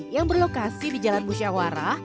yang berlokasi di jalan busyawara